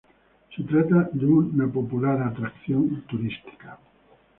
Se trata de una popular atracción turística.